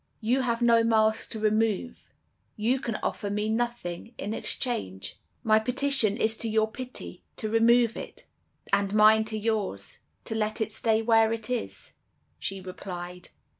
You have no mask to remove. You can offer me nothing in exchange.' "'My petition is to your pity, to remove it.' "'And mine to yours, to let it stay where it is,' she replied.